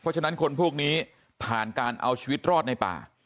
เพราะฉะนั้นคนพวกนี้ผ่านการเอาชีวิตรอดในป่า